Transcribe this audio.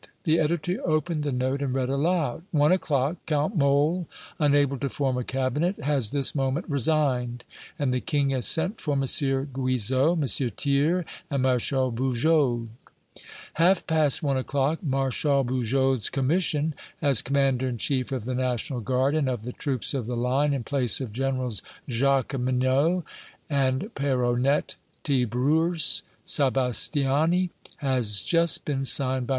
The editor opened the note and read aloud: "One o'clock Count Mole, unable to form a cabinet, has this moment resigned, and the King has sent for M. Guizot, M. Thiers and Marshal Bugeaud. "Half past one o'clock Marshal Bugeaud's commission as Commander in chief of the National Guard and of the troops of the Line, in place of Generals Jaqueminot and Peyronett Tyburce Sebastiani, has just been signed by M.